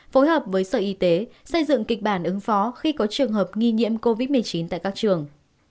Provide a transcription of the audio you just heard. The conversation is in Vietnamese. phối hợp với sở y tế xây dựng kịch bản ứng phó khi có trường hợp nghi nhiễm covid một mươi chín tại các trường